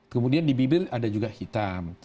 kemudian di bibir ada juga hitam